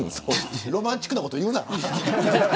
ロマンチックなこと言うな。